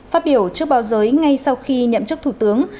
phát biểu trước báo giới ngay sau khi nhậm chức thủ tướng